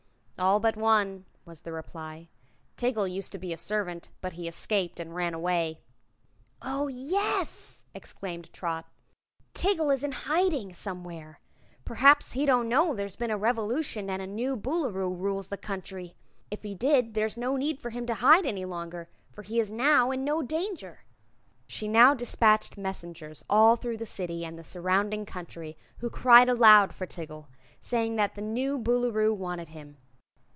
"All but one," was the reply. "Tiggle used to be a servant, but he escaped and ran away." "Oh, yes!" exclaimed Trot; "Tiggle is in hiding, somewhere. Perhaps he don't know there's been a revolution and a new Boolooroo rules the country. If he did, there's no need for him to hide any longer, for he is now in no danger." She now dispatched messengers all through the City and the surrounding country, who cried aloud for Tiggle, saying that the new Boolooroo wanted him.